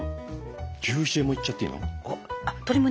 牛ヒレもいっちゃっていいのかな。